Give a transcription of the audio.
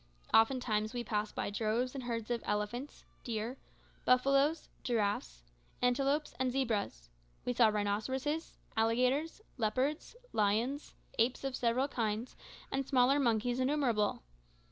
Oftentimes we passed by droves and herds of elephants, deer, buffalo, giraffes, antelopes, and zebras; we saw rhinoceroses, alligators, leopards, lions, apes of several kinds, and smaller monkeys innumerable.